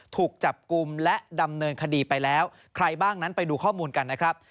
ถูกจับกลุ่มและดำเนินคดีไปแล้วใครบ้างนั้นไปดูข้อมูลกันนะครับ